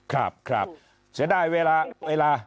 ครับครับเสียดายเวลา